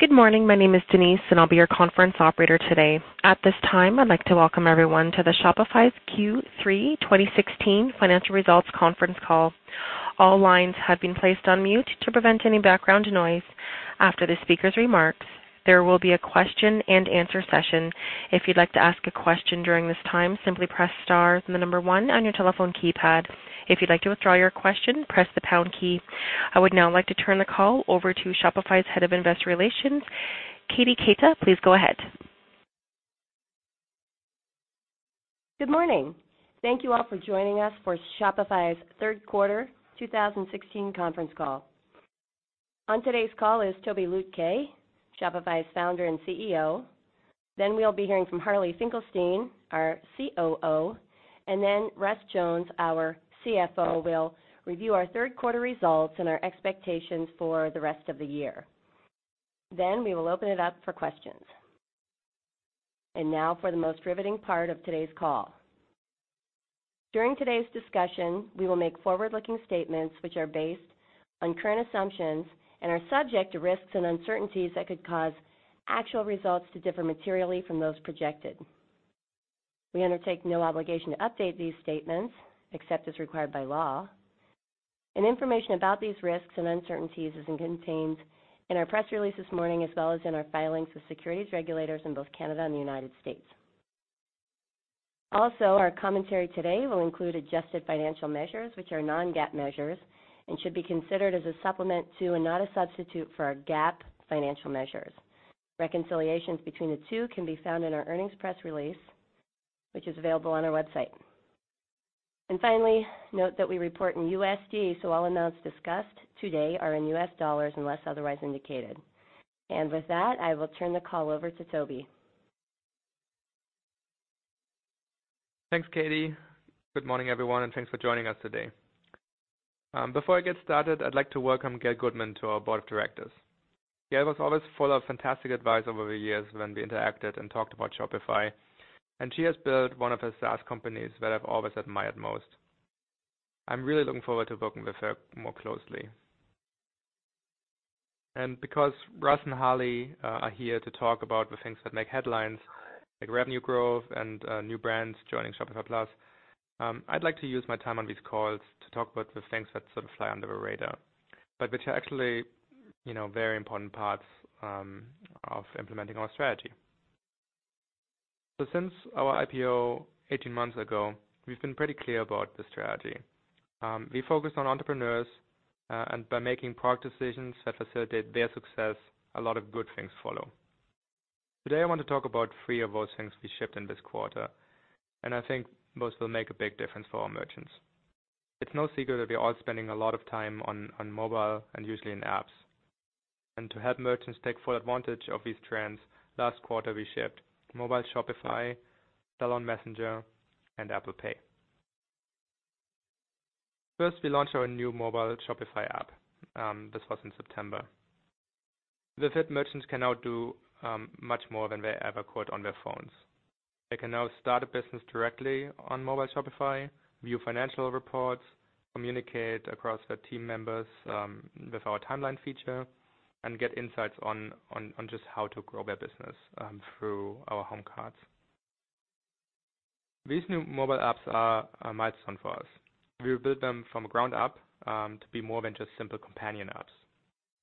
Good morning. My name is Denise, and I'll be your conference operator today. At this time, I'd like to welcome everyone to Shopify's Q3 2016 Financial Results conference call. All lines have been placed on mute to prevent any background noise. After the speaker's remarks, there will be a question-and-answer session. If you'd like to ask a question during this time, simply press star, then the number one on your telephone keypad. If you'd like to withdraw your question, press the pound key. I would now like to turn the call over to Shopify's Head of Investor Relations, Katie Keita. Please go ahead. Good morning. Thank you all for joining us for Shopify's third quarter 2016 conference call. On today's call is Tobi Lütke, Shopify's Founder and CEO. We'll be hearing from Harley Finkelstein, our COO, and then Russ Jones, our CFO, will review our third quarter results and our expectations for the rest of the year. We will open it up for questions. Now for the most riveting part of today's call. During today's discussion, we will make forward-looking statements which are based on current assumptions and are subject to risks and uncertainties that could cause actual results to differ materially from those projected. We undertake no obligation to update these statements, except as required by law. Information about these risks and uncertainties is contained in our press release this morning, as well as in our filings with securities regulators in both Canada and the U.S. Also, our commentary today will include adjusted financial measures, which are non-GAAP measures and should be considered as a supplement to, and not a substitute for our GAAP financial measures. Reconciliations between the two can be found in our earnings press release, which is available on our website. Finally, note that we report in USD, so all amounts discussed today are in U.S. dollars unless otherwise indicated. With that, I will turn the call over to Tobi. Thanks, Katie. Good morning, everyone, and thanks for joining us today. Before I get started, I'd like to welcome Gail Goodman to our Board of Directors. Gail was always full of fantastic advice over the years when we interacted and talked about Shopify, and she has built one of the SaaS companies that I've always admired most. I'm really looking forward to working with her more closely. Because Russ and Harley are here to talk about the things that make headlines, like revenue growth and new brands joining Shopify Plus, I'd like to use my time on these calls to talk about the things that sort of fly under the radar, but which are actually, you know, very important parts of implementing our strategy. Since our IPO 18 months ago, we've been pretty clear about the strategy. We focus on entrepreneurs, by making product decisions that facilitate their success, a lot of good things follow. Today, I want to talk about three of those things we shipped in this quarter, and I think those will make a big difference for our merchants. It's no secret that we are all spending a lot of time on mobile and usually in apps. To help merchants take full advantage of these trends, last quarter we shipped Mobile Shopify, Sell on Messenger and Apple Pay. First, we launched our new Mobile Shopify app. This was in September. With it, merchants can now do much more than they ever could on their phones. They can now start a business directly on mobile Shopify, view financial reports, communicate across their team members, with our timeline feature and get insights on just how to grow their business through our home cards. These new mobile apps are a milestone for us. We built them from ground up to be more than just simple companion apps.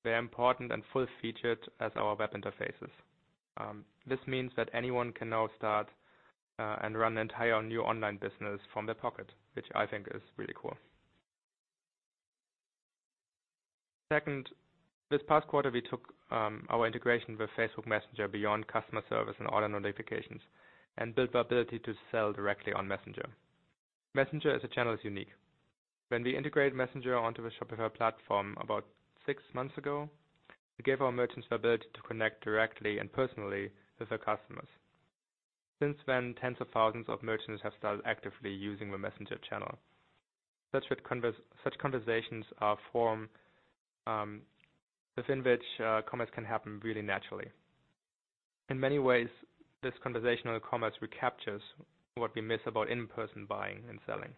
They're important and full-featured as our web interfaces. This means that anyone can now start and run an entire new online business from their pocket, which I think is really cool. Second, this past quarter, we took our integration with Facebook Messenger beyond customer service and order notifications and built the ability to sell directly on Messenger. Messenger as a channel is unique. When we integrated Messenger onto the Shopify platform about six months ago, we gave our merchants the ability to connect directly and personally with their customers. Since then, tens of thousands of merchants have started actively using the Messenger channel. Such conversations are form within which commerce can happen really naturally. In many ways, this conversational commerce recaptures what we miss about in-person buying and selling,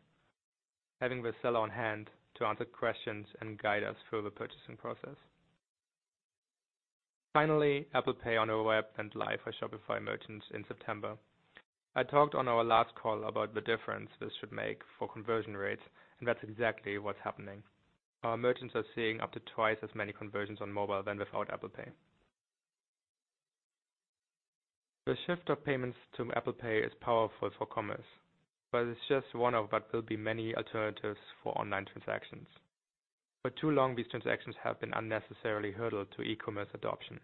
having the seller on hand to answer questions and guide us through the purchasing process. Apple Pay on our web went live for Shopify merchants in September. I talked on our last call about the difference this should make for conversion rates, that's exactly what's happening. Our merchants are seeing up to twice as many conversions on mobile than without Apple Pay. The shift of payments to Apple Pay is powerful for commerce, but it's just one of what will be many alternatives for online transactions. For too long, these transactions have been unnecessarily hurdle to e-commerce adoption.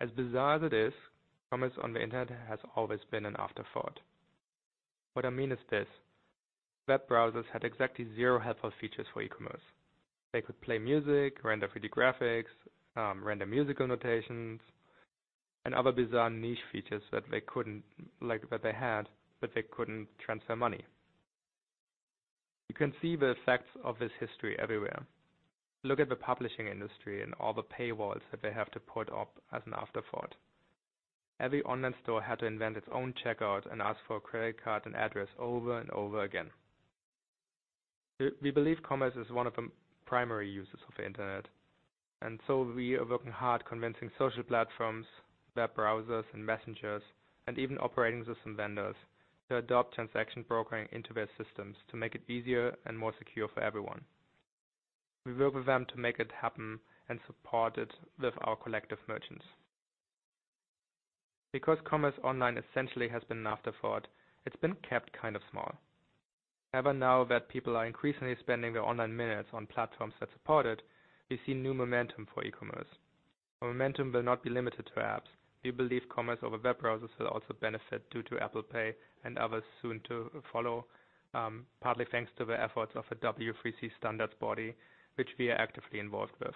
As bizarre as it is, commerce on the Internet has always been an afterthought. What I mean is this: web browsers had exactly zero helpful features for e-commerce. They could play music, render 3D graphics, render musical notations and other bizarre niche features that they couldn't, like that they had, but they couldn't transfer money. You can see the effects of this history everywhere. Look at the publishing industry and all the paywalls that they have to put up as an afterthought. Every online store had to invent its own checkout and ask for a credit card and address over and over again. We believe commerce is one of the primary uses of the internet. We are working hard convincing social platforms, web browsers, and messengers, and even operating system vendors to adopt transaction brokering into their systems to make it easier and more secure for everyone. We work with them to make it happen and support it with our collective merchants. Commerce online essentially has been an afterthought, it's been kept kind of small. Now that people are increasingly spending their online minutes on platforms that support it, we see new momentum for e-commerce. The momentum will not be limited to apps. We believe commerce over web browsers will also benefit due to Apple Pay and others soon to follow, partly thanks to the efforts of a W3C standards body, which we are actively involved with.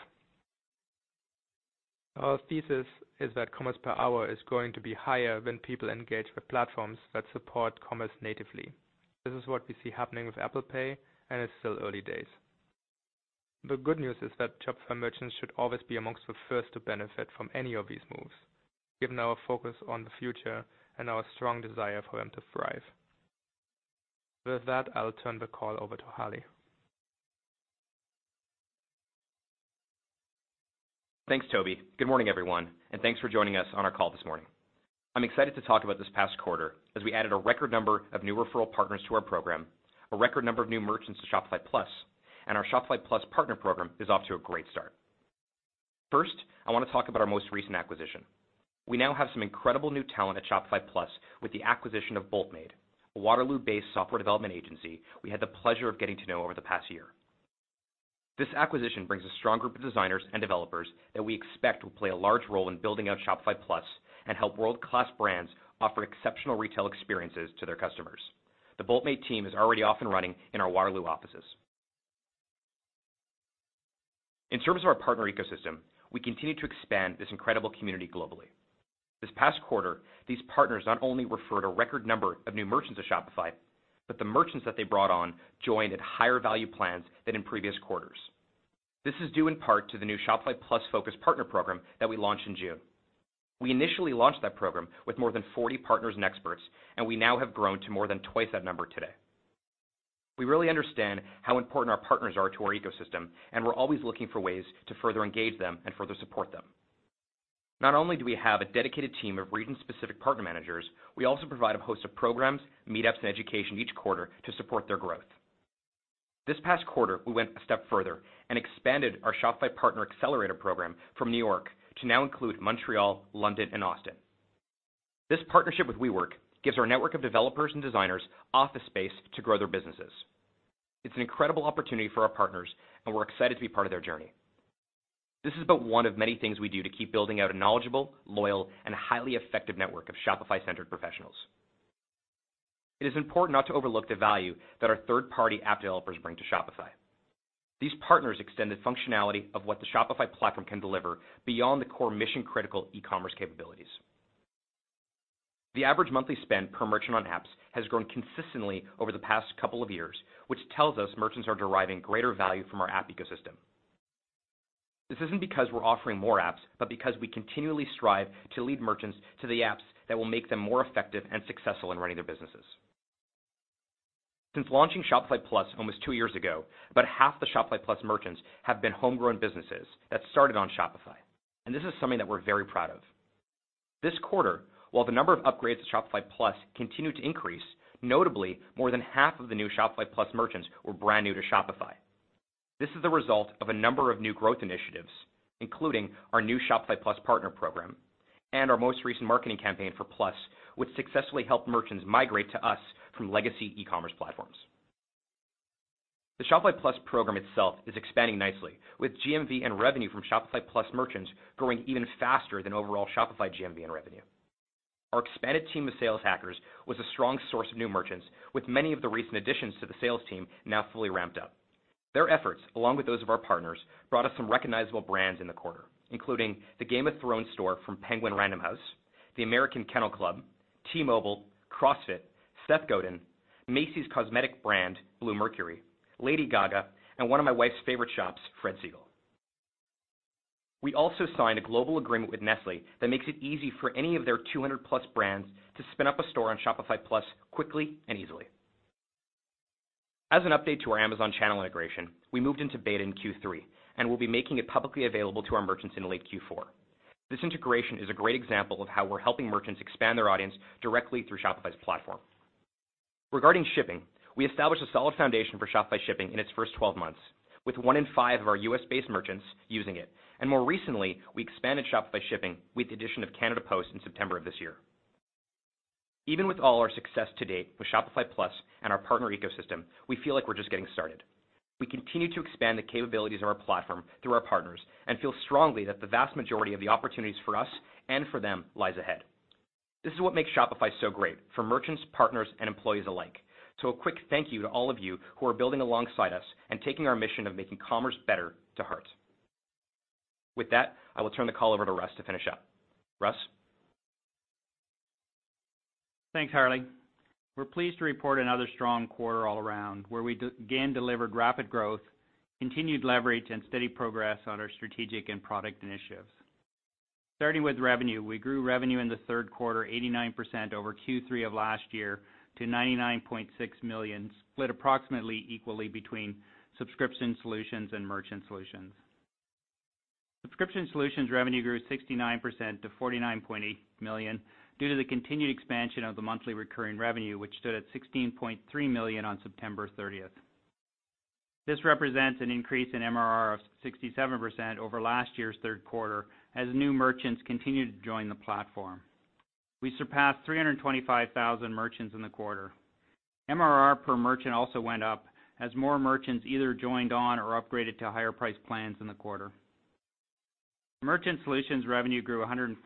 Our thesis is that commerce per hour is going to be higher when people engage with platforms that support commerce natively. This is what we see happening with Apple Pay, and it's still early days. The good news is that Shopify merchants should always be amongst the first to benefit from any of these moves, given our focus on the future and our strong desire for them to thrive. With that, I'll turn the call over to Harley. Thanks, Tobi. Good morning, everyone, and thanks for joining us on our call this morning. I'm excited to talk about this past quarter as we added a record number of new referral partners to our program, a record number of new merchants to Shopify Plus, and our Shopify Plus Partner Program is off to a great start. First, I want to talk about our most recent acquisition. We now have some incredible new talent at Shopify Plus with the acquisition of Boltmade, a Waterloo-based software development agency we had the pleasure of getting to know over the past year. This acquisition brings a strong group of designers and developers that we expect will play a large role in building out Shopify Plus and help world-class brands offer exceptional retail experiences to their customers. The Boltmade team is already off and running in our Waterloo offices. In service of our partner ecosystem, we continue to expand this incredible community globally. This past quarter, these partners not only referred a record number of new merchants to Shopify, but the merchants that they brought on joined at higher value plans than in previous quarters. This is due in part to the new Shopify Plus-focused Partner Program that we launched in June. We initially launched that program with more than 40 partners and experts, and we now have grown to more than twice that number today. We really understand how important our partners are to our ecosystem, and we're always looking for ways to further engage them and further support them. Not only do we have a dedicated team of region-specific partner managers, we also provide a host of programs, meetups, and education each quarter to support their growth. This past quarter, we went a step further and expanded our Shopify Partner Accelerator program from New York to now include Montreal, London, and Austin. This partnership with WeWork gives our network of developers and designers office space to grow their businesses. It's an incredible opportunity for our partners, and we're excited to be part of their journey. This is but one of many things we do to keep building out a knowledgeable, loyal, and highly effective network of Shopify-centered professionals. It is important not to overlook the value that our third-party app developers bring to Shopify. These partners extend the functionality of what the Shopify platform can deliver beyond the core mission-critical e-commerce capabilities. The average monthly spend per merchant on apps has grown consistently over the past couple of years, which tells us merchants are deriving greater value from our app ecosystem. This isn't because we're offering more apps, but because we continually strive to lead merchants to the apps that will make them more effective and successful in running their businesses. Since launching Shopify Plus almost two years ago, about half the Shopify Plus merchants have been homegrown businesses that started on Shopify, and this is something that we're very proud of. This quarter, while the number of upgrades to Shopify Plus continued to increase, notably, more than half of the new Shopify Plus merchants were brand new to Shopify. This is the result of a number of new growth initiatives, including our new Shopify Plus Partner Program and our most recent marketing campaign for Plus, which successfully helped merchants migrate to us from legacy e-commerce platforms. The Shopify Plus program itself is expanding nicely with GMV and revenue from Shopify Plus merchants growing even faster than overall Shopify GMV and revenue. Our expanded team of sales hackers was a strong source of new merchants, with many of the recent additions to the sales team now fully ramped up. Their efforts, along with those of our partners, brought us some recognizable brands in the quarter, including the Game of Thrones store from Penguin Random House, the American Kennel Club, T-Mobile, CrossFit, Seth Godin, Macy's cosmetic brand, Bluemercury, Lady Gaga, and one of my wife's favorite shops, Fred Segal. We also signed a global agreement with Nestlé that makes it easy for any of their 200+ brands to spin up a store on Shopify Plus quickly and easily. As an update to our Amazon channel integration, we moved into beta in Q3 and will be making it publicly available to our merchants in late Q4. This integration is a great example of how we're helping merchants expand their audience directly through Shopify's platform. Regarding shipping, we established a solid foundation for Shopify Shipping in its first 12 months, with one in five of our U.S.-based merchants using it. More recently, we expanded Shopify Shipping with the addition of Canada Post in September of this year. Even with all our success to date with Shopify Plus and our partner ecosystem, we feel like we're just getting started. We continue to expand the capabilities of our platform through our partners and feel strongly that the vast majority of the opportunities for us and for them lies ahead. This is what makes Shopify so great for merchants, partners, and employees alike. A quick thank you to all of you who are building alongside us and taking our mission of making commerce better to heart. With that, I will turn the call over to Russ to finish up. Russ? Thanks, Harley. We're pleased to report another strong quarter all around, where we again delivered rapid growth, continued leverage, and steady progress on our strategic and product initiatives. Starting with revenue, we grew revenue in the third quarter 89% over Q3 of last year to $99.6 million, split approximately equally between Subscription Solutions and Merchant Solutions. Subscription Solutions revenue grew 69% to $49.8 million due to the continued expansion of the monthly recurring revenue, which stood at $16.3 million on September 30th. This represents an increase in MRR of 67% over last year's third quarter as new merchants continued to join the platform. We surpassed 325,000 merchants in the quarter. MRR per merchant also went up as more merchants either joined on or upgraded to higher-priced plans in the quarter. Merchant solutions revenue grew 114%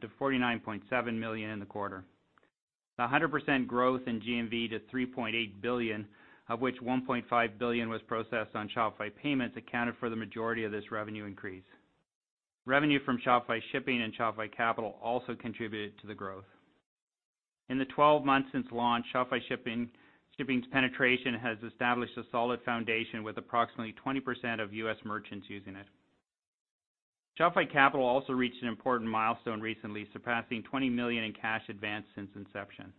to $49.7 million in the quarter. 100% growth in GMV to $3.8 billion, of which $1.5 billion was processed on Shopify Payments accounted for the majority of this revenue increase. Revenue from Shopify Shipping and Shopify Capital also contributed to the growth. In the 12 months since launch, Shopify Shipping's penetration has established a solid foundation with approximately 20% of U.S. merchants using it. Shopify Capital also reached an important milestone recently, surpassing $20 million in cash advance since inception.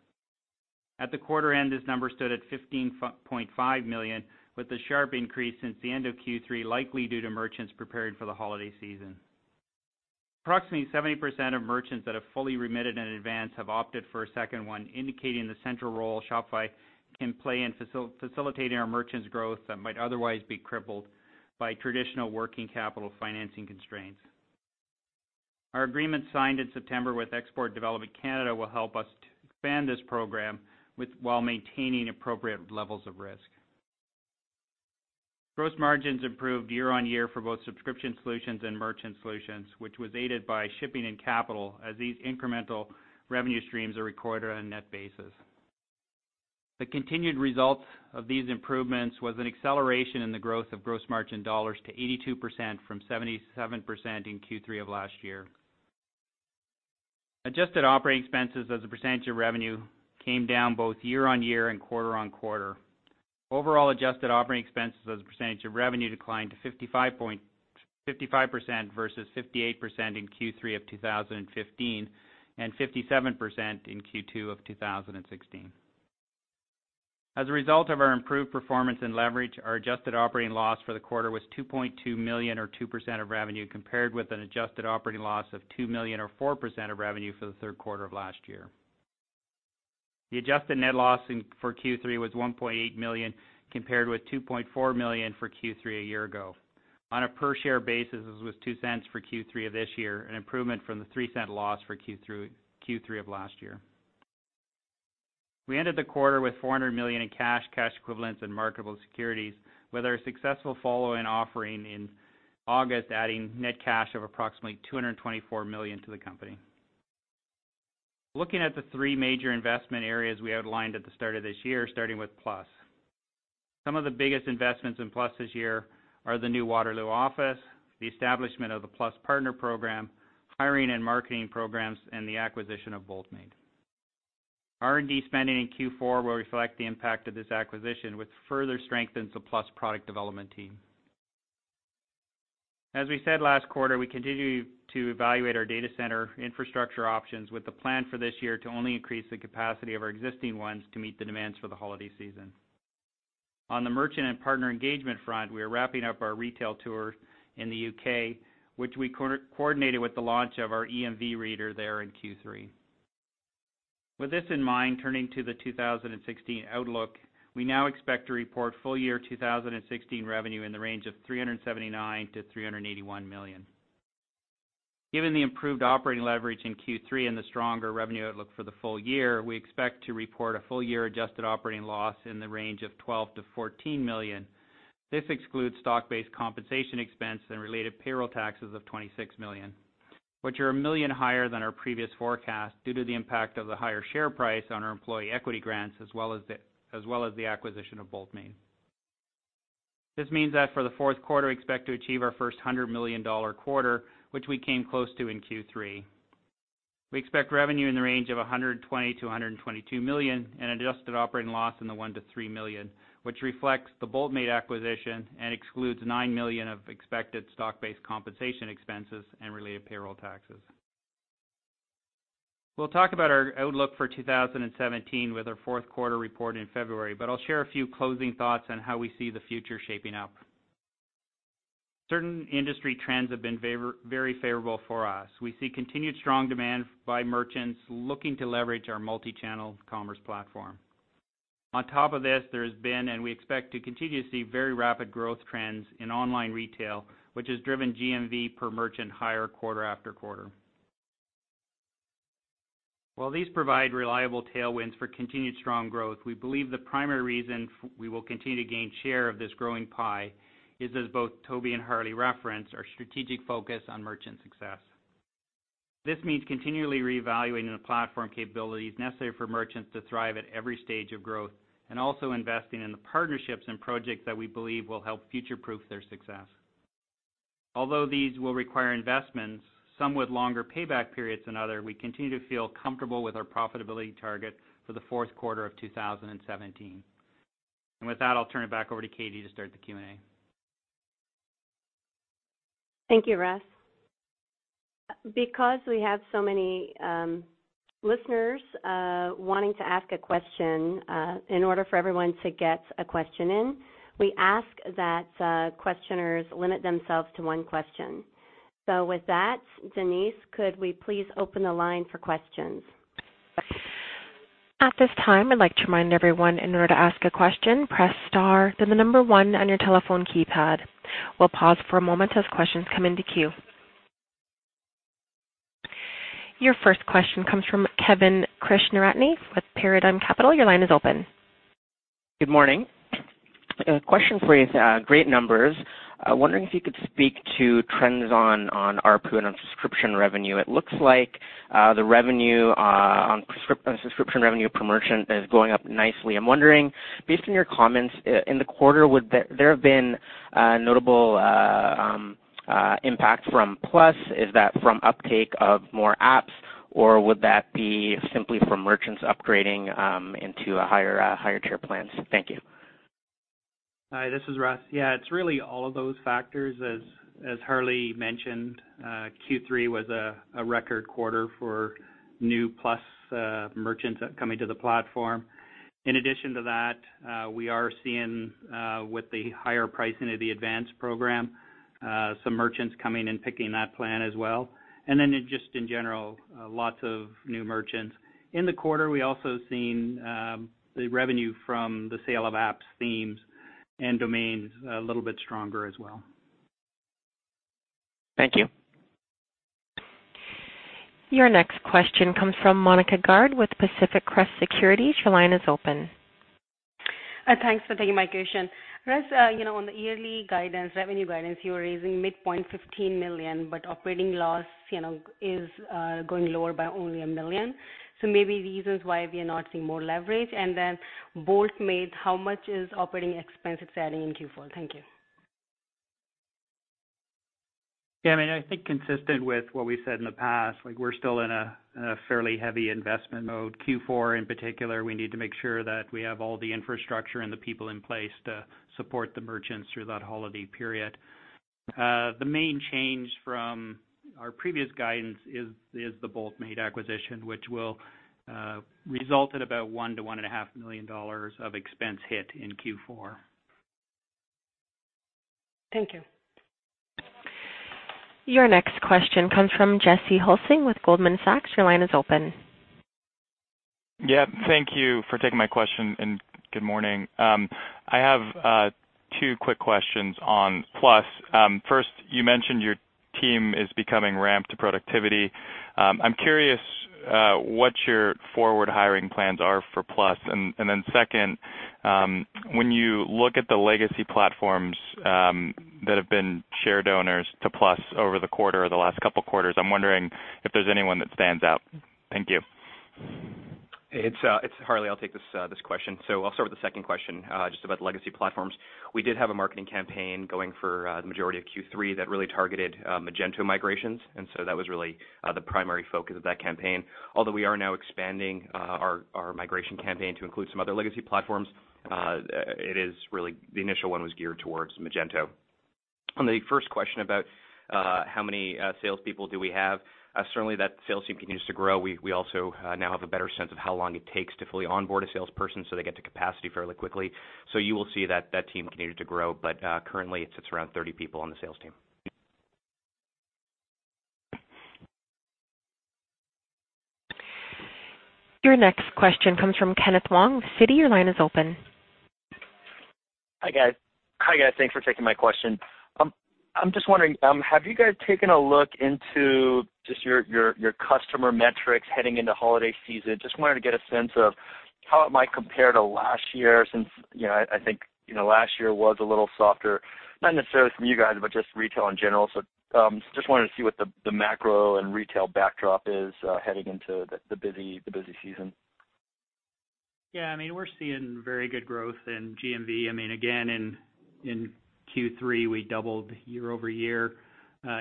At the quarter end, this number stood at $15.5 million, with a sharp increase since the end of Q3, likely due to merchants preparing for the holiday season. Approximately 70% of merchants that have fully remitted in advance have opted for a second one, indicating the central role Shopify can play in facilitating our merchants' growth that might otherwise be crippled by traditional working capital financing constraints. Our agreement signed in September with Export Development Canada will help us to expand this program with, while maintaining appropriate levels of risk. Gross margins improved year-on-year for both subscription solutions and merchant solutions, which was aided by Shipping and Capital as these incremental revenue streams are recorded on a net basis. The continued results of these improvements was an acceleration in the growth of gross margin dollars to 82% from 77% in Q3 of last year. Adjusted operating expenses as a percentage of revenue came down both year-on-year and quarter-on-quarter. Overall adjusted operating expenses as a percentage of revenue declined to 55.55% versus 58% in Q3 of 2015, and 57% in Q2 of 2016. As a result of our improved performance and leverage, our adjusted operating loss for the quarter was $2.2 million or 2% of revenue, compared with an adjusted operating loss of $2 million or 4% of revenue for the third quarter of last year. The adjusted net loss for Q3 was $1.8 million, compared with $2.4 million for Q3 a year ago. On a per-share basis, this was $0.02 for Q3 of this year, an improvement from the $0.03 loss for Q3 of last year. We ended the quarter with $400 million in cash equivalents and marketable securities, with our successful follow-on offering in August, adding net cash of approximately $224 million to the company. Looking at the three major investment areas we outlined at the start of this year, starting with Plus. Some of the biggest investments in Plus this year are the new Waterloo office, the establishment of the Plus Partner Program, hiring and marketing programs, and the acquisition of Boltmade. R&D spending in Q4 will reflect the impact of this acquisition, which further strengthens the Plus product development team. As we said last quarter, we continue to evaluate our data center infrastructure options with the plan for this year to only increase the capacity of our existing ones to meet the demands for the holiday season. On the merchant and partner engagement front, we are wrapping up our retail tour in the U.K., which we coordinated with the launch of our EMV reader there in Q3. With this in mind, turning to the 2016 outlook, we now expect to report full-year 2016 revenue in the range of $379 million-$381 million. Given the improved operating leverage in Q3 and the stronger revenue outlook for the full year, we expect to report a full-year adjusted operating loss in the range of $12 million-$14 million. This excludes stock-based compensation expense and related payroll taxes of $26 million, which are $1 million higher than our previous forecast due to the impact of the higher share price on our employee equity grants as well as the acquisition of Boltmade. This means that for the fourth quarter, we expect to achieve our first $100 million quarter, which we came close to in Q3. We expect revenue in the range of $120 million-$122 million and adjusted operating loss in the $1 million-$3 million, which reflects the Boltmade acquisition and excludes $9 million of expected stock-based compensation expenses and related payroll taxes. We'll talk about our outlook for 2017 with our fourth quarter report in February. I'll share a few closing thoughts on how we see the future shaping up. Certain industry trends have been very favorable for us. We see continued strong demand by merchants looking to leverage our multi-channel commerce platform. On top of this, there has been, and we expect to continue to see very rapid growth trends in online retail, which has driven GMV per merchant higher quarter after quarter. While these provide reliable tailwinds for continued strong growth, we believe the primary reason we will continue to gain share of this growing pie is, as both Tobi and Harley referenced, our strategic focus on merchant success. This means continually reevaluating the platform capabilities necessary for merchants to thrive at every stage of growth and also investing in the partnerships and projects that we believe will help future-proof their success. Although these will require investments, some with longer payback periods than other, we continue to feel comfortable with our profitability target for the fourth quarter of 2017. With that, I'll turn it back over to Katie to start the Q&A. Thank you, Russ. Because we have so many listeners wanting to ask a question, in order for everyone to get a question in, we ask that questioners limit themselves to one question. With that, Denise, could we please open the line for questions? At this time, I'd like to remind everyone in order to ask a question, press star then the number one on your telephone keypad. We'll pause for a moment as questions come into queue. Your first question comes from Kevin Krishnaratne with Paradigm Capital. Your line is open. Good morning. A question for you. It's great numbers. Wondering if you could speak to trends on ARPU and on subscription revenue. It looks like the revenue on subscription revenue per merchant is going up nicely. I'm wondering, based on your comments in the quarter, would there have been notable impact from Plus? Is that from uptake of more apps, or would that be simply from merchants upgrading into a higher-tier plans? Thank you. Hi, this is Russ. Yeah, it's really all of those factors as Harley mentioned. Q3 was a record quarter for new Plus merchants coming to the platform. In addition to that, we are seeing with the higher pricing of the advanced program, some merchants coming and picking that plan as well. Just in general, lots of new merchants. In the quarter, we also seen the revenue from the sale of apps, themes, and domains a little bit stronger as well. Thank you. Your next question comes from Monika Garg with Pacific Crest Securities. Your line is open. Thanks for taking my question, Russ. You know, on the yearly guidance, revenue guidance, you are raising midpoint $15 million, but operating loss, you know, is going lower by only $1 million. Maybe the reasons why we are not seeing more leverage. Boltmade, how much is operating expense it's adding in Q4? Thank you. Yeah, I mean, I think consistent with what we said in the past, like we're still in a fairly heavy investment mode. Q4, in particular, we need to make sure that we have all the infrastructure and the people in place to support the merchants through that holiday period. The main change from our previous guidance is the Boltmade acquisition, which will result in about $1 million-$1.5 million of expense hit in Q4. Thank you. Your next question comes from Jesse Hulsing with Goldman Sachs. Your line is open. Yeah. Thank you for taking my question, and good morning. I have two quick questions on Plus. First, you mentioned your team is becoming ramped to productivity. I'm curious what your forward hiring plans are for Plus. Second, when you look at the legacy platforms that have been share donors to Plus over the quarter or the last couple quarters, I'm wondering if there's anyone that stands out. Thank you. It's Harley. I'll take this question. I'll start with the second question just about the legacy platforms. We did have a marketing campaign going for the majority of Q3 that really targeted Magento migrations. That was really the primary focus of that campaign. We are now expanding our migration campaign to include some other legacy platforms. It is really the initial one was geared towards Magento. On the first question about how many salespeople do we have, certainly that sales team continues to grow. We also now have a better sense of how long it takes to fully onboard a salesperson, so they get to capacity fairly quickly. You will see that team continue to grow. Currently it sits around 30 people on the sales team. Your next question comes from Kenneth Wong with Citi. Your line is open. Hi, guys. Thanks for taking my question. I'm just wondering, have you guys taken a look into just your customer metrics heading into holiday season? I just wanted to get a sense of how it might compare to last year since, you know, I think, you know, last year was a little softer, not necessarily from you guys, but just retail in general. I just wanted to see what the macro and retail backdrop is, heading into the busy season. I mean, we're seeing very good growth in GMV. I mean, again, in Q3, we doubled year-over-year.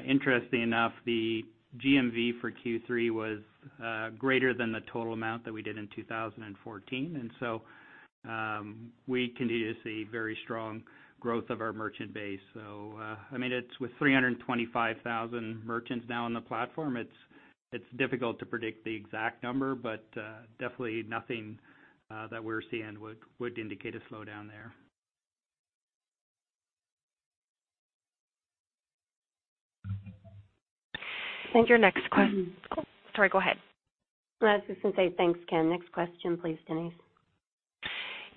Interestingly enough, the GMV for Q3 was greater than the total amount that we did in 2014. We continue to see very strong growth of our merchant base. I mean, it's with 325,000 merchants now on the platform, it's difficult to predict the exact number, but definitely nothing that we're seeing would indicate a slowdown there. Sorry, go ahead. I was just gonna say thanks, Ken. Next question please, Denise.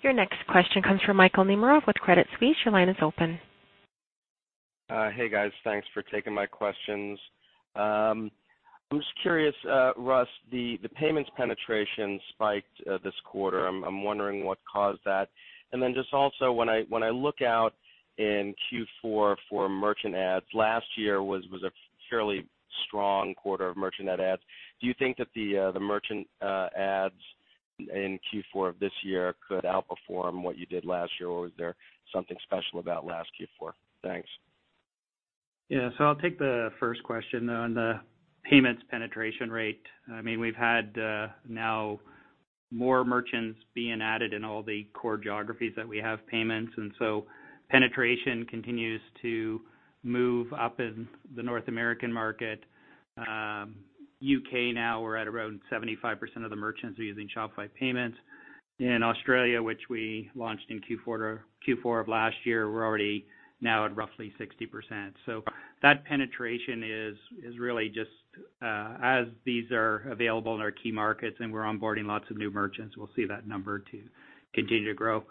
Your next question comes from Michael Nemeroff with Credit Suisse. Your line is open. Hey, guys. Thanks for taking my questions. I'm just curious, Russ, the payments penetration spiked this quarter. I'm wondering what caused that. When I look out in Q4 for merchant adds, last year was a fairly strong quarter of merchant net adds. Do you think that the merchant adds in Q4 of this year could outperform what you did last year? Or was there something special about last Q4? Thanks. Yeah. I'll take the first question on the payments penetration rate. I mean, we've had now more merchants being added in all the core geographies that we have payments, penetration continues to move up in the North American market. U.K. now we're at around 75% of the merchants are using Shopify Payments. In Australia, which we launched in Q4 of last year, we're already now at roughly 60%. That penetration is really just as these are available in our key markets and we're onboarding lots of new merchants, we'll see that number to continue to grow.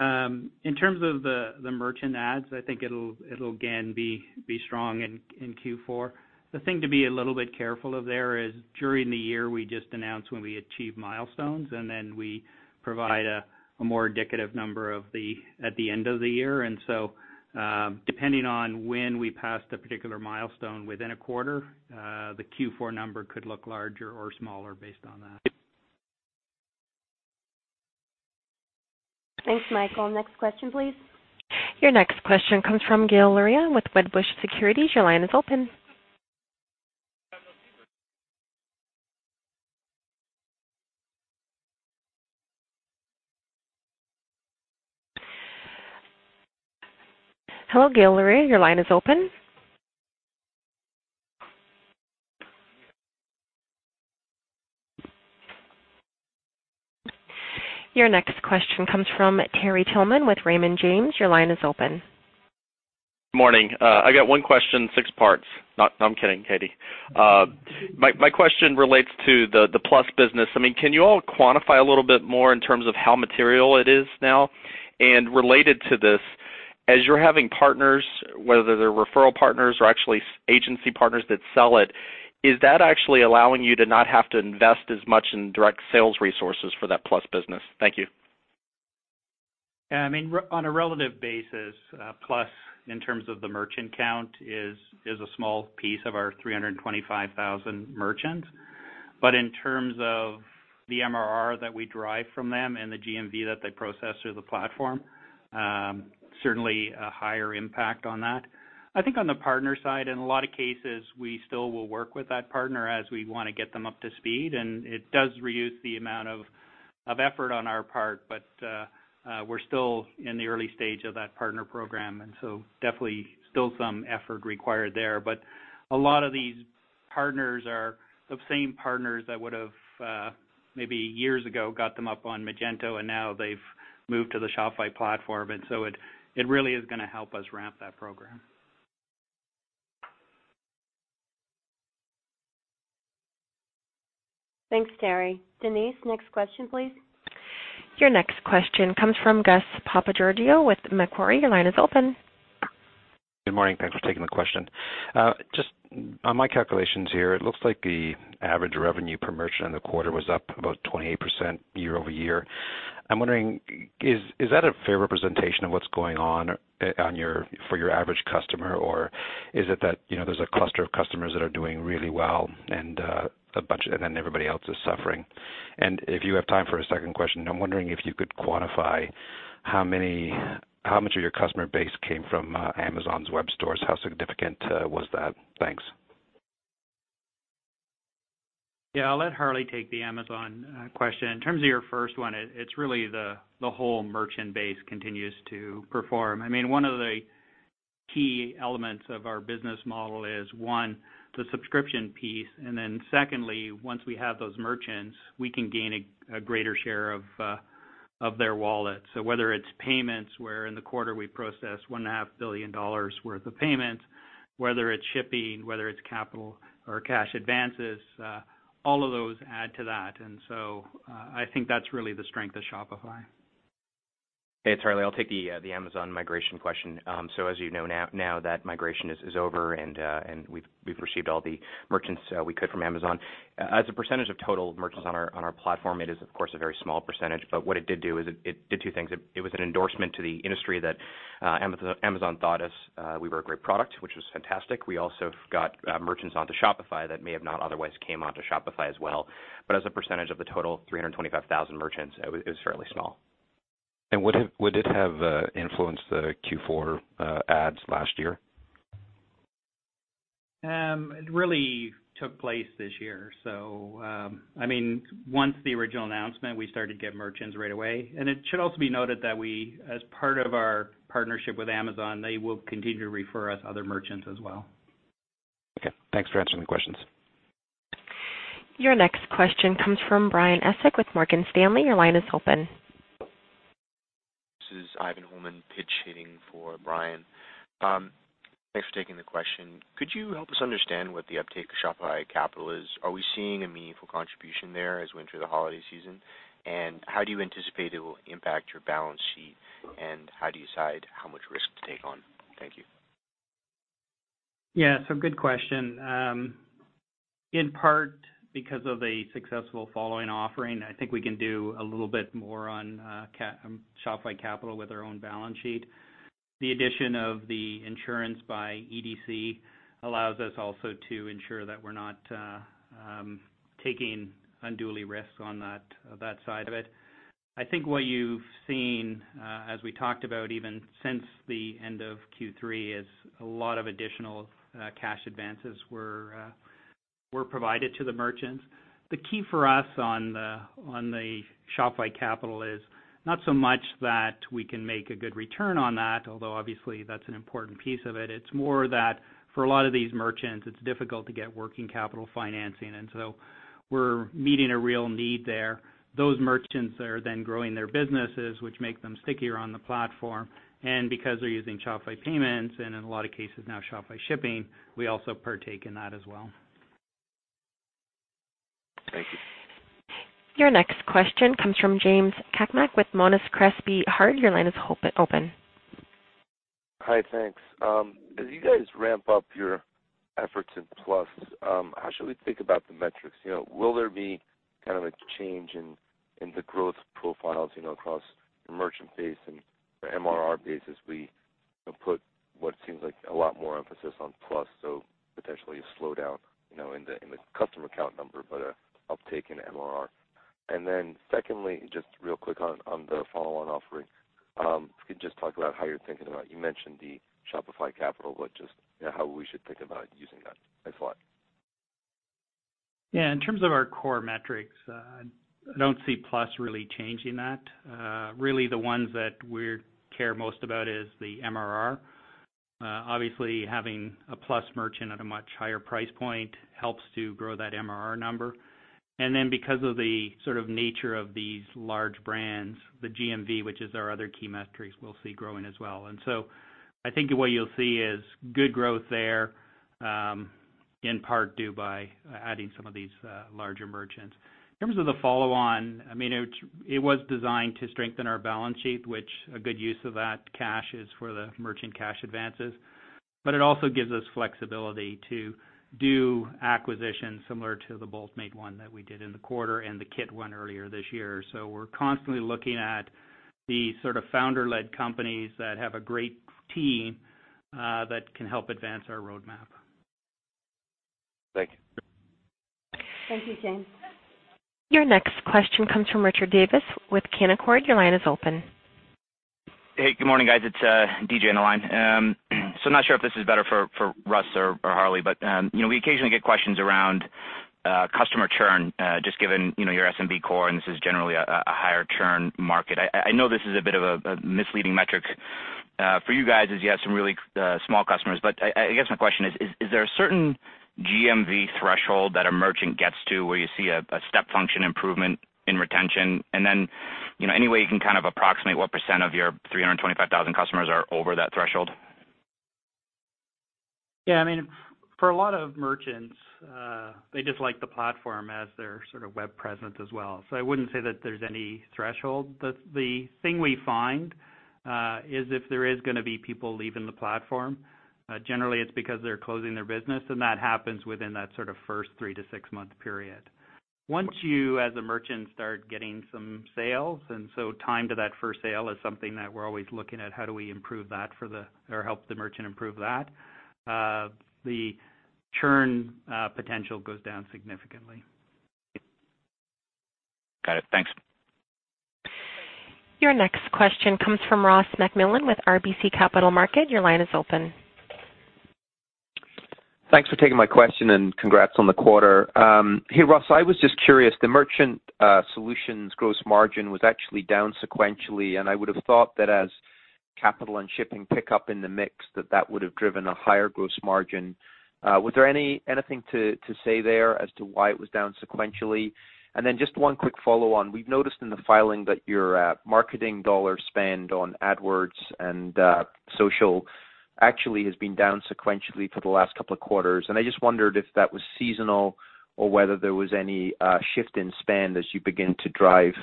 In terms of the merchant adds, I think it'll again be strong in Q4. The thing to be a little bit careful of there is during the year, we just announced when we achieve milestones, and then we provide a more indicative number at the end of the year. Depending on when we pass the particular milestone within a quarter, the Q4 number could look larger or smaller based on that. Thanks, Michael. Next question, please. Your next question comes from Gil Luria with Wedbush Securities. Your line is open. Hello, Gil Luria, your line is open. Your next question comes from Terry Tillman with Raymond James. Your line is open. Morning. I got one question, six parts. No, I'm kidding, Katie. My question relates to the Shopify Plus business. I mean, can you all quantify a little bit more in terms of how material it is now? Related to this, as you are having partners, whether they are referral partners or actually agency partners that sell it, is that actually allowing you to not have to invest as much in direct sales resources for that Shopify Plus business? Thank you. I mean, on a relative basis, Shopify Plus, in terms of the merchant count, is a small piece of our 325,000 merchants. In terms of the MRR that we derive from them and the GMV that they process through the platform, certainly a higher impact on that. I think on the partner side, in a lot of cases, we still will work with that partner as we wanna get them up to speed, and it does reduce the amount of effort on our part. We're still in the early stage of that Partner Program, definitely still some effort required there. A lot of these partners are the same partners that would've maybe years ago got them up on Magento, and now they've moved to the Shopify platform. It really is gonna help us ramp that program. Thanks, Terry. Denise, next question, please. Your next question comes from Gus Papageorgiou with Macquarie. Your line is open. Good morning. Thanks for taking the question. Just on my calculations here, it looks like the average revenue per merchant in the quarter was up about 28% year-over-year. I'm wondering, is that a fair representation of what's going on, for your average customer, or is it that, you know, there's a cluster of customers that are doing really well and, a bunch, and then everybody else is suffering? If you have time for a second question, I'm wondering if you could quantify how many, how much of your customer base came from, Amazon web stores. How significant, was that? Thanks. Yeah. I'll let Harley take the Amazon question. In terms of your first one, it's really the whole merchant base continues to perform. I mean, one of the key elements of our business model is, one, the subscription piece, and then secondly, once we have those merchants, we can gain a greater share of their wallet. Whether it's payments, where in the quarter we processed one and a half billion dollars worth of payments, whether it's shipping, whether it's Capital or cash advances, all of those add to that. I think that's really the strength of Shopify. Hey, it's Harley. I'll take the Amazon migration question. As you know, now that migration is over and we've received all the merchants we could from Amazon. As a percentage of total merchants on our platform, it is of course, a very small percentage. What it did do is it did two things. It was an endorsement to the industry that Amazon thought us we were a great product, which was fantastic. We also got merchants onto Shopify that may have not otherwise came onto Shopify as well. As a percentage of the total 325,000 merchants, it was fairly small. Would it have influenced the Q4 adds last year? It really took place this year. I mean, once the original announcement, we started to get merchants right away. It should also be noted that we, as part of our partnership with Amazon, they will continue to refer us other merchants as well. Okay. Thanks for answering the questions. Your next question comes from Brian Essex with Morgan Stanley. Your line is open. This is Ivan Holman pitch hitting for Brian. Thanks for taking the question. Could you help us understand what the uptake of Shopify Capital is? Are we seeing a meaningful contribution there as we enter the holiday season? How do you anticipate it will impact your balance sheet, and how do you decide how much risk to take on? Thank you. Yeah. Good question. In part because of a successful follow-on offering, I think we can do a little bit more on Shopify Capital with our own balance sheet. The addition of the insurance by EDC allows us also to ensure that we're not taking unduly risk on that side of it. I think what you've seen, as we talked about even since the end of Q3, is a lot of additional cash advances were provided to the merchants. The key for us on the Shopify Capital is not so much that we can make a good return on that, although obviously that's an important piece of it. It's more that for a lot of these merchants, it's difficult to get working capital financing. We're meeting a real need there. Those merchants are then growing their businesses, which make them stickier on the platform. Because they're using Shopify Payments and in a lot of cases now Shopify Shipping, we also partake in that as well. Thank you. Your next question comes from James Cakmak with Monness, Crespi, Hardt. Your line is open. Hi. Thanks. As you guys ramp up your efforts in Plus, how should we think about the metrics? You know, will there be kind of a change in the growth profiles, you know, across your merchant base and your MRR base as we, you know, put what seems like a lot more emphasis on Plus, so potentially a slowdown, you know, in the customer count number, but uptake in MRR? Secondly, just real quick on the follow-on offering, if you could just talk about how you're thinking about it. You mentioned the Shopify Capital, but just, you know, how we should think about using that as well. Yeah. In terms of our core metrics, I don't see Plus really changing that. Really the ones that we're care most about is the MRR. Obviously, having a Plus merchant at a much higher price point helps to grow that MRR number. Then because of the sort of nature of these large brands, the GMV, which is our other key metrics, we'll see growing as well. So I think what you'll see is good growth there, in part due by adding some of these larger merchants. In terms of the follow on, I mean, it was designed to strengthen our balance sheet, which a good use of that cash is for the merchant cash advances. It also gives us flexibility to do acquisitions similar to the Boltmade one that we did in the quarter and the Kit one earlier this year. We're constantly looking at the sort of founder-led companies that have a great team that can help advance our roadmap. Thank you. Thank you, James. Your next question comes from Richard Davis with Canaccord. Your line is open. Hey, good morning, guys. It's DJ on the line. I'm not sure if this is better for Russ or Harley, but, you know, we occasionally get questions around customer churn, just given, you know, your SMB core, and this is generally a higher churn market. I know this is a bit of a misleading metric for you guys as you have some really small customers. I guess my question is there a certain GMV threshold that a merchant gets to where you see a step function improvement in retention? You know, any way you can kind of approximate what percent of your 325,000 customers are over that threshold? Yeah. I mean, for a lot of merchants, they just like the platform as their sort of web presence as well. I wouldn't say that there's any threshold. The thing we find is if there is going to be people leaving the platform, generally it's because they're closing their business, and that happens within that sort of first three to six-month period. Once you, as a merchant, start getting some sales, time to that first sale is something that we're always looking at how do we improve that for the or help the merchant improve that, the churn potential goes down significantly. Got it. Thanks. Your next question comes from Ross MacMillan with RBC Capital Markets. Your line is open. Thanks for taking my question, and congrats on the quarter. Hey, Russ, I was just curious, the merchant solutions gross margin was actually down sequentially, and I would have thought that as capital and shipping pick up in the mix, that would have driven a higher gross margin. Was there anything to say there as to why it was down sequentially? Then just one quick follow-on. We've noticed in the filing that your marketing dollar spend on AdWords and social actually has been down sequentially for the last couple of quarters. I just wondered if that was seasonal or whether there was any shift in spend as you begin to drive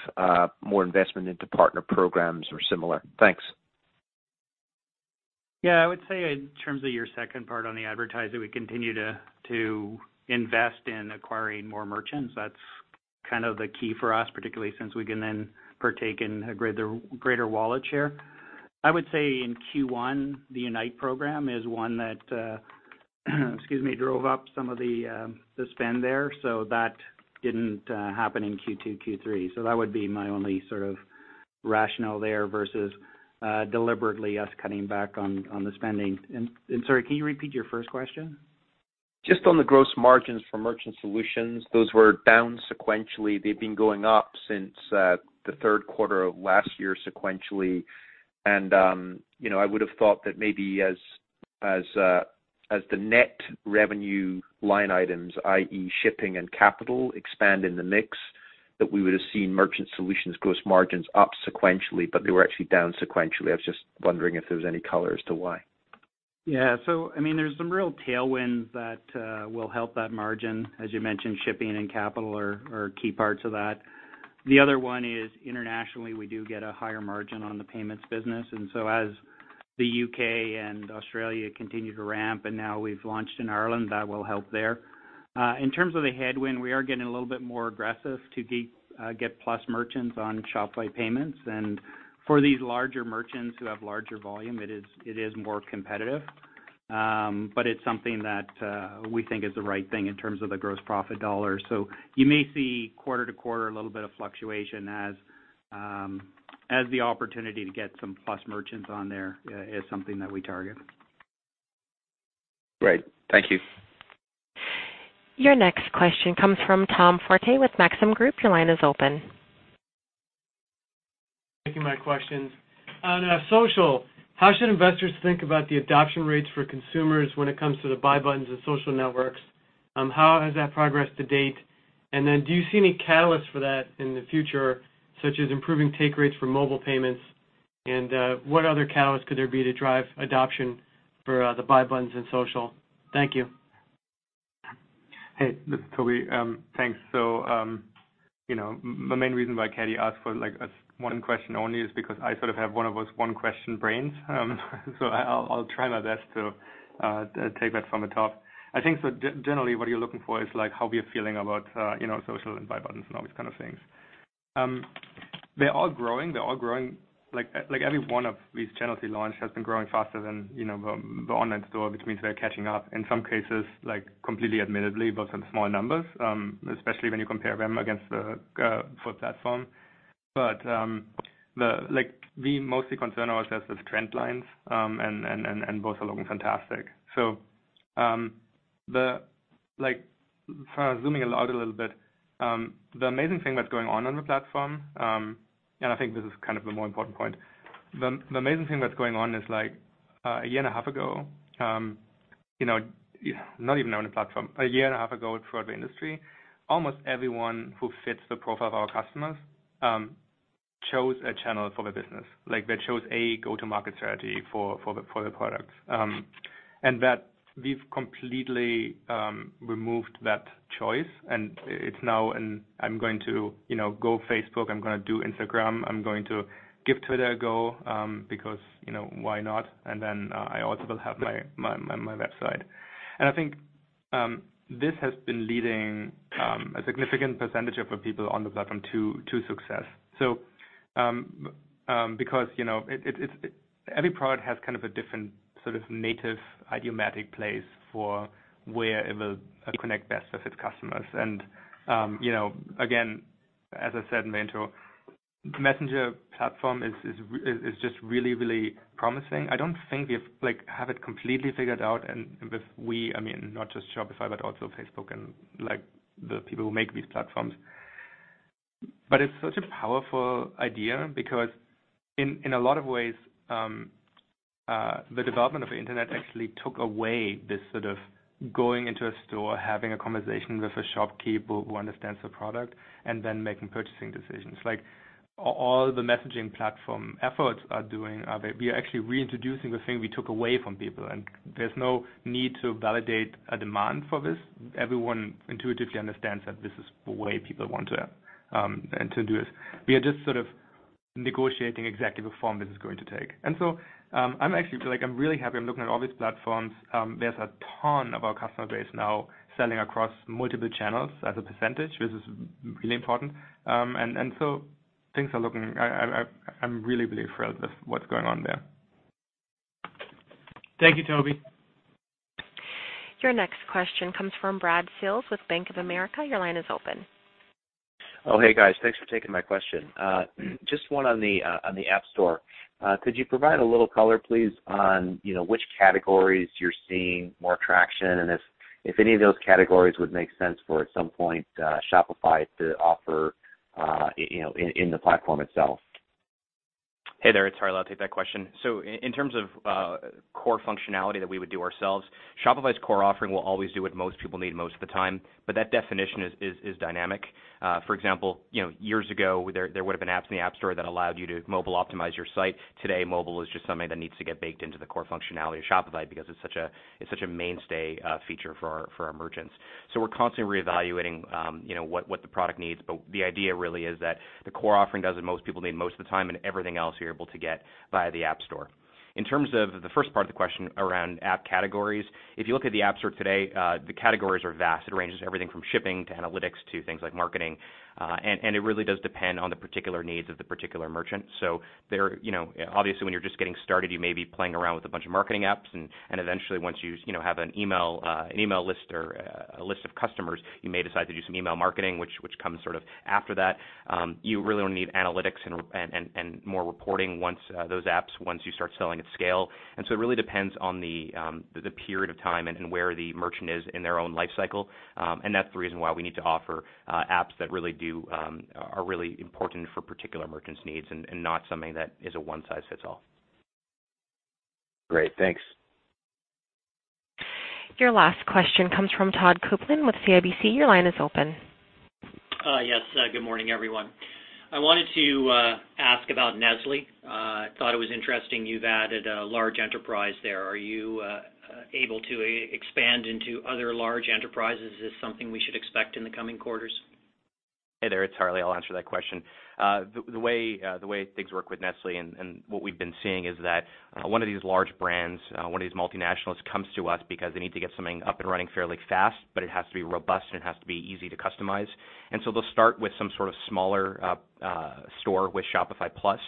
more investment into partner programs or similar. Thanks. Yeah. I would say in terms of your second part on the advertising, we continue to invest in acquiring more merchants. That's kind of the key for us, particularly since we can then partake in a greater wallet share. I would say in Q1, the Shopify Unite program is one that, excuse me, drove up some of the spend there, so that didn't happen in Q2, Q3. That would be my only sort of rationale there versus deliberately us cutting back on the spending. Sorry, can you repeat your first question? Just on the gross margins for Merchant Solutions, those were down sequentially. They've been going up since the third quarter of last year sequentially. You know, I would have thought that maybe as the net revenue line items, i.e. shipping and capital, expand in the mix, that we would have seen Merchant Solutions gross margins up sequentially, but they were actually down sequentially. I was just wondering if there's any color as to why. I mean, there's some real tailwinds that will help that margin. As you mentioned, Shopify Shipping and Shopify Capital are key parts of that. The other one is internationally, we do get a higher margin on the Shopify Payments business. As the U.K. and Australia continue to ramp, and now we've launched in Ireland, that will help there. In terms of the headwind, we are getting a little bit more aggressive to get Shopify Plus merchants on Shopify Payments. For these larger merchants who have larger volume, it is more competitive. It's something that we think is the right thing in terms of the gross profit dollars. You may see quarter to quarter a little bit of fluctuation as the opportunity to get some Plus merchants on there is something that we target. Great. Thank you. Your next question comes from Tom Forte with Maxim Group. Your line is open. Thank you for my questions. On social, how should investors think about the adoption rates for consumers when it comes to the buy buttons and social networks? How has that progressed to date? Do you see any catalyst for that in the future, such as improving take rates for mobile payments? What other catalyst could there be to drive adoption for the buy buttons in social? Thank you. Hey, this is Tobi. Thanks. You know, my main reason why Katie asked for like us one question only is because I sort of have one of those one-question brains. I'll try my best to take that from the top. Generally, what you're looking for is like how we are feeling about, you know, social and buy buttons and all these kinds of things. They're all growing. They're all growing. Like every one of these channels we launched has been growing faster than, you know, the online store, which means they're catching up in some cases, like completely admittedly, but some small numbers, especially when you compare them against the full platform. Like, we mostly concern ourselves with trend lines, and both are looking fantastic. The zooming out a little bit, the amazing thing that's going on the platform, and I think this is kind of the more important point. The amazing thing that's going on is 1.5 years ago, you know, not even on the platform, 1.5 years ago throughout the industry, almost everyone who fits the profile of our customers chose a channel for their business. They chose a go-to-market strategy for the products. We've completely removed that choice, and it's now an I'm going to, you know, go Facebook, I'm gonna do Instagram, I'm going to give Twitter a go, because, you know, why not? I also will have my website. I think this has been leading a significant percentage of people on the platform to success. Because, you know, every product has kind of a different sort of native idiomatic place for where it will connect best with its customers. You know, again, as I said in the intro, Messenger platform is just really promising. I don't think we've like, have it completely figured out. With we, I mean, not just Shopify, but also Facebook and like the people who make these platforms. It's such a powerful idea because in a lot of ways, the development of the internet actually took away this sort of going into a store, having a conversation with a shopkeeper who understands the product and then making purchasing decisions. Like all the messaging platform efforts are doing, we are actually reintroducing the thing we took away from people, and there's no need to validate a demand for this. Everyone intuitively understands that this is the way people want to do this. We are just sort of negotiating exactly the form this is going to take. I'm actually feel like I'm really happy. I'm looking at all these platforms. There's a ton of our customer base now selling across multiple channels as a percentage, which is really important. Things are looking I'm really thrilled with what's going on there. Thank you, Tobi. Your next question comes from Brad Sills with Bank of America. Your line is open. Oh, hey, guys. Thanks for taking my question. Just one on the App Store. Could you provide a little color, please, on, you know, which categories you're seeing more traction and if any of those categories would make sense for at some point, Shopify to offer, you know, in the platform itself. Hey there, it's Harley. I'll take that question. In terms of core functionality that we would do ourselves, Shopify's core offering will always do what most people need most of the time, but that definition is dynamic. For example, you know, years ago, there would've been apps in the App Store that allowed you to mobile optimize your site. Today, mobile is just something that needs to get baked into the core functionality of Shopify because it's such a mainstay feature for our merchants. We're constantly reevaluating, you know, what the product needs. The idea really is that the core offering does what most people need most of the time, and everything else you're able to get via the App Store. In terms of the first part of the question around app categories, if you look at the App Store today, the categories are vast. It ranges everything from shipping to analytics to things like marketing. It really does depend on the particular needs of the particular merchant. They're, you know, obviously, when you're just getting started, you may be playing around with a bunch of marketing apps, and eventually, once you know, have an email, an email list or a list of customers, you may decide to do some email marketing, which comes sort of after that. You really only need analytics and more reporting once those apps, once you start selling at scale. It really depends on the period of time and where the merchant is in their own life cycle. That's the reason why we need to offer apps that are really important for particular merchants' needs and not something that is a one-size-fits-all. Great. Thanks. Your last question comes from Todd Coupland with CIBC. Your line is open. Yes. Good morning, everyone. I wanted to ask about Nestlé. I thought it was interesting you've added a large enterprise there. Are you able to expand into other large enterprises? Is this something we should expect in the coming quarters? Hey there, it's Harley. I'll answer that question. The way things work with Nestlé and what we've been seeing is that one of these large brands, one of these multinationals comes to us because they need to get something up and running fairly fast, but it has to be robust, and it has to be easy to customize. They'll start with some sort of smaller store with Shopify Plus.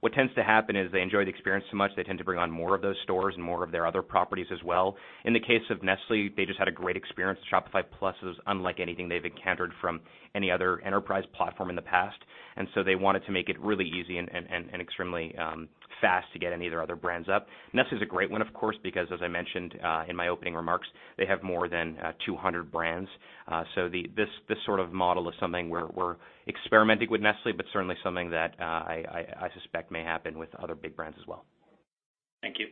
What tends to happen is they enjoy the experience so much, they tend to bring on more of those stores and more of their other properties as well. In the case of Nestlé, they just had a great experience. Shopify Plus is unlike anything they've encountered from any other enterprise platform in the past, and so they wanted to make it really easy and extremely fast to get any of their other brands up. Nestlé is a great one, of course, because as I mentioned in my opening remarks, they have more than 200 brands. So this sort of model is something we're experimenting with Nestlé, but certainly something that I suspect may happen with other big brands as well. Thank you.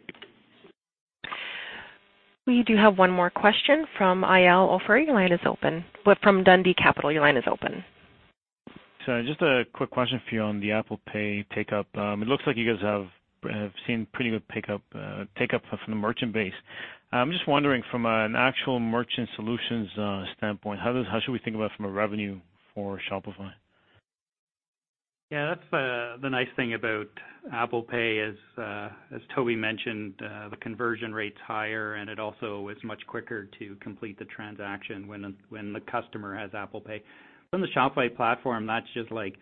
We do have one more question from Eyal Ofir. Your line is open. Well, from Dundee Capital, your line is open. Just a quick question for you on the Apple Pay take-up. It looks like you guys have seen pretty good pick-up, take-up from the merchant base. I'm just wondering from an actual merchant solutions standpoint, how should we think about from a revenue for Shopify? Yeah, that's the nice thing about Apple Pay is, as Tobi mentioned, the conversion rate's higher, and it also is much quicker to complete the transaction when the customer has Apple Pay. From the Shopify platform, that's just like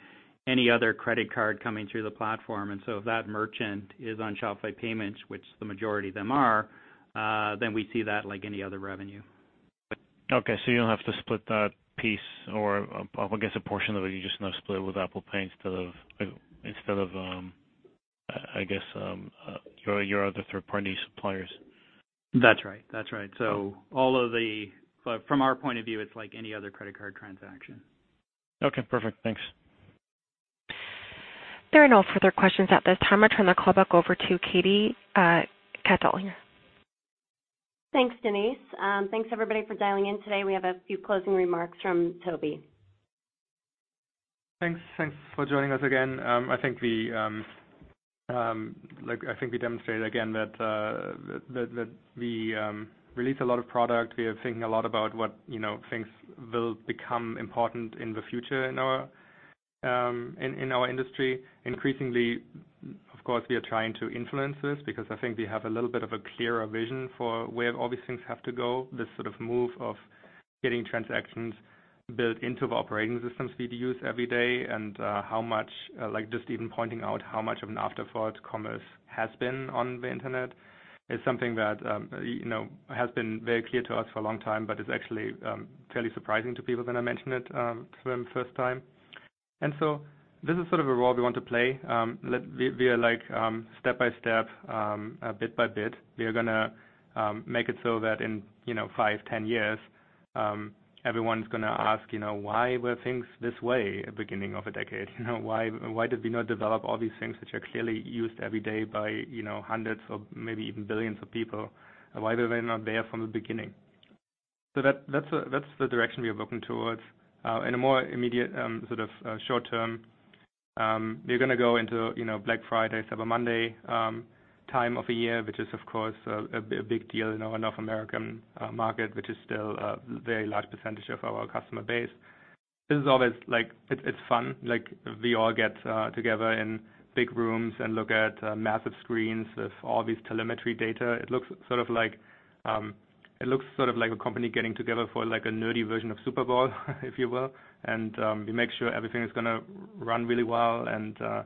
any other credit card coming through the platform. If that merchant is on Shopify Payments, which the majority of them are, then we see that like any other revenue. Okay. You don't have to split that piece or, I guess a portion of it, you just now split it with Apple Pay instead of, instead of, I guess, your other third-party suppliers. That's right. That's right. From our point of view, it's like any other credit card transaction. Okay. Perfect. Thanks. There are no further questions at this time. I turn the call back over to Katie Keita here. Thanks, Denise. Thanks everybody for dialing in today. We have a few closing remarks from Tobi. Thanks. Thanks for joining us again. I think we demonstrated again that we release a lot of product. We are thinking a lot about what, you know, things will become important in the future in our industry. Increasingly, of course, we are trying to influence this because I think we have a little bit of a clearer vision for where all these things have to go. This sort of move of getting transactions built into the operating systems we use every day and, how much, like just even pointing out how much of an afterthought commerce has been on the internet is something that, you know, has been very clear to us for a long time, but is actually, fairly surprising to people when I mention it, for them first time. This is sort of a role we want to play. We are like, step by step, bit by bit, we are gonna make it so that in five, 10 years, everyone's gonna ask, "Why were things this way at beginning of a decade?" "Why did we not develop all these things which are clearly used every day by hundreds or maybe even billions of people? Why were they not there from the beginning?" That's the direction we are working towards. In a more immediate, sort of, short term, we're gonna go into Black Friday, Cyber Monday, time of a year, which is of course a big deal in our North American market, which is still a very large percentage of our customer base. This is always like, it's fun. Like, we all get together in big rooms and look at massive screens with all these telemetry data. It looks sort of like a company getting together for like a nerdy version of Super Bowl, if you will. We make sure everything is gonna run really well, all,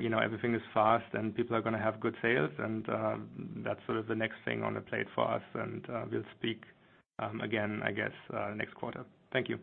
you know, everything is fast, people are gonna have good sales, that's sort of the next thing on the plate for us. We'll speak again, I guess, next quarter. Thank you.